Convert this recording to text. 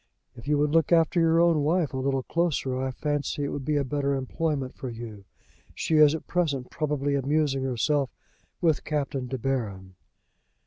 "If you would look after your own wife a little closer, I fancy it would be a better employment for you. She is at present probably amusing herself with Captain De Baron."